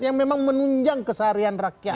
yang memang menunjang keseharian rakyat